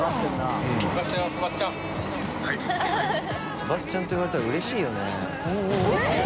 「つばっちゃん」って言われたらうれしいよね。